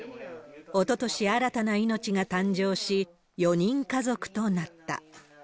おととし、新たな命が誕生し、４人家族となった。